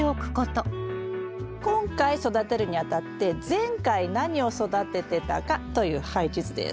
今回育てるにあたって前回何を育ててたかという配置図です。